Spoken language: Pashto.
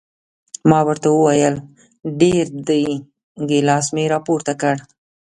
ما ورته وویل ډېر دي، ګیلاس مې را پورته کړ.